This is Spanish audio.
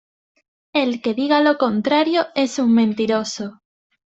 el que diga lo contrario es un mentiroso.